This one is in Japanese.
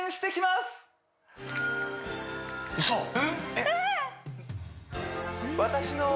えっ！？